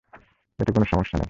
এতে কোনো সমস্যা নেই।